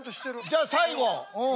じゃあ最後。